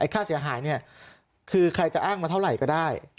ค่าเสียหายคือใครจะอ้างมาเท่าไหร่ก็ได้